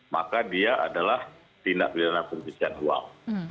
maka dia adalah tindak pilihan dana pencucian uang